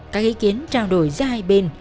các ý kiến trao đổi giữa hai bên